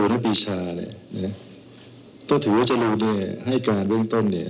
เนี่ยต้องถือว่าจะรู้เนี่ยให้การเริ่มต้มเนี่ย